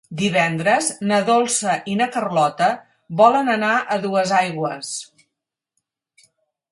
Divendres na Dolça i na Carlota volen anar a Duesaigües.